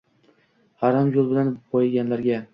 Harom yo'l bilan boyiganlarga